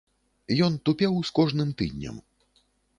Ён тупеў з кожным тыднем.